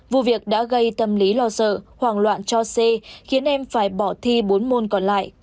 vụ việc đã gây tâm lý lo sợ hoảng loạn cho c khiến em phải bỏ thi bốn môn còn lại